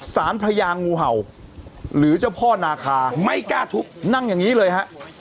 สารพระยางูเห่าหรือเจ้าพ่อนาคาไม่กล้าทุบนั่งอย่างนี้เลยฮะ